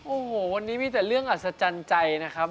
โอ้โหวันนี้มีแต่เรื่องอัศจรรย์ใจนะครับ